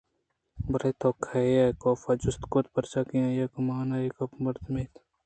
بلئے توکئے ئے ؟کاف ءَ جست کُت پرچا کہ آئی ءِ گُمان ءَ اے دگہ مردمے اَت